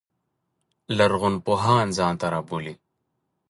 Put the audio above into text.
لرغون پوهان ځان ته رابولي.